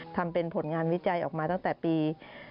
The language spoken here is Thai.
ทำเป็นผลงานวิจัยออกมาตั้งแต่ปี๒๕๔๕๒๕๔๗